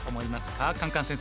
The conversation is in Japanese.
カンカン先生。